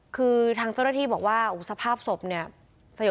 คือทางเจ้าหน้าที่บอกว่าสภาพศพเนี่ย